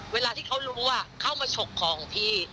เวลาที่เขารู้เข้ามาฉกของพี่